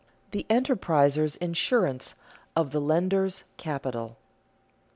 [Sidenote: The enterpriser's insurance of the lender's capital] 2.